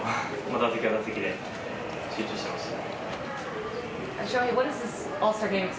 打席は打席で集中してました。